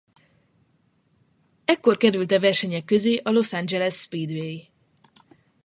Ekkor került a versenyek közé a Los Angeles Speedway.